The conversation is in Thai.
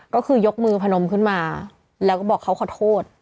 ก็คือยกมือพนมขึ้นมาแล้วก็บอกเขาขอโทษ